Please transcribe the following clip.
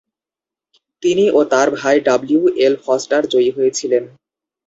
তিনি ও তার ভাই ডব্লিউ. এল. ফস্টার জয়ী হয়েছিলেন।